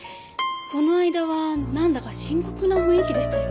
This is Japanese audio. この間は何だか深刻な雰囲気でしたよ。